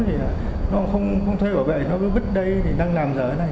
thì nó không thuê bảo vệ nó cứ bứt đây thì đang làm giỡn này